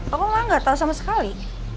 aku mah gak tau sama sekali